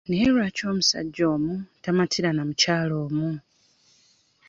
Naye lwaki omusajja omu tamatira na mukyala omu?